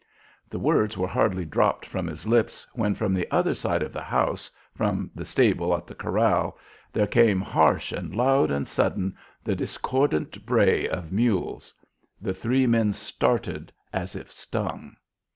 The words were hardly dropped from his lips when from the other side of the house from the stable at the corral there came, harsh and loud and sudden, the discordant bray of mules. The three men started as if stung.